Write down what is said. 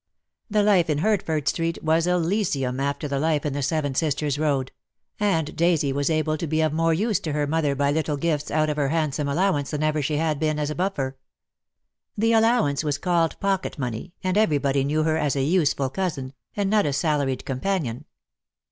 The life in Hertford Street was DEAD LOVE HAS CHAINS. 9 elysium after the life in the Seven Sisters Road; and Daisy was able to be of more use to her mother by little gifts out of her handsome allow ance than ever she had been as buffer. The allow ance was called pocket money, and everybody knew her as a useful cousin, and not a salaried companion.